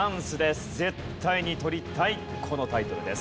絶対に取りたいこのタイトルです。